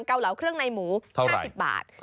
เกาเหลาเครื่องในหมู๕๐บาท